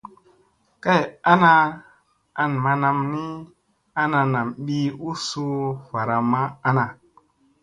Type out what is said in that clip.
Kay ana an manam ni ana nam ɓii u suu varamma ana.